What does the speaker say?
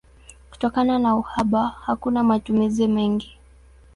Kutokana na uhaba hakuna matumizi mengi.